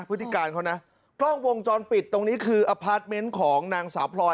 พฤติการเขานะกล้องวงจรปิดตรงนี้คืออพาร์ทเมนต์ของนางสาวพลอย